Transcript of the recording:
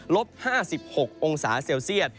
ลบ๕๖องศาเซลเซียต